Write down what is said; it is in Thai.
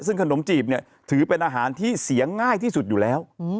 ซึ่งขนมจีบเนี่ยถือเป็นอาหารที่เสียง่ายที่สุดอยู่แล้ว